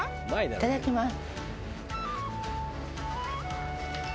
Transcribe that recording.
いただきます。